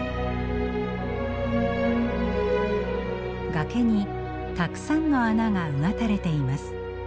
崖にたくさんの穴がうがたれています。